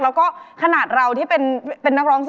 แล้วก็ขนาดเราที่เป็น